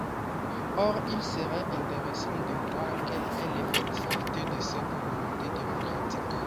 Or il serait intéressant de voir quelle est l'effectivité de cette volonté démocratique.